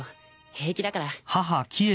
平気だから。